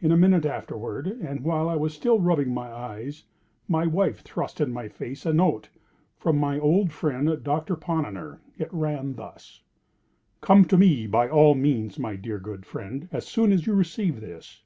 In a minute afterward, and while I was still rubbing my eyes, my wife thrust in my face a note, from my old friend, Doctor Ponnonner. It ran thus: "Come to me, by all means, my dear good friend, as soon as you receive this.